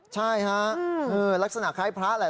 ใช่ฮะลักษณะคล้ายพระแหละ